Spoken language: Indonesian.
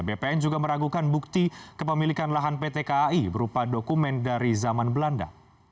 bpn juga meragukan bukti kepemilikan lahan pt kai berupa dokumen dari zaman belanda